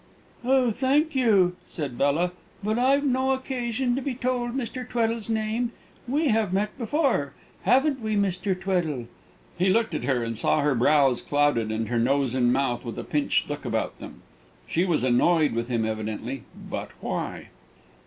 "Oh, thank you," said Bella, "but I've no occasion to be told Mr. Tweddle's name; we have met before haven't we, Mr. Tweddle?" He looked at her, and saw her brows clouded, and her nose and mouth with a pinched look about them. She was annoyed with him evidently but why?